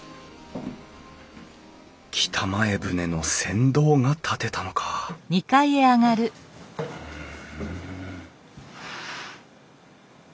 北前船の船頭が建てたのかん？